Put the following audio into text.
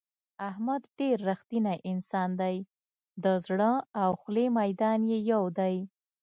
احمد ډېر رښتینی انسان دی د زړه او خولې میدان یې یو دی.